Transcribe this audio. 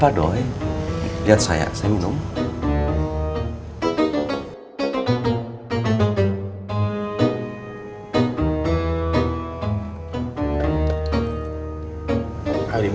hai hari minum boy bismillahirrahmanirrahim